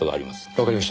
わかりました。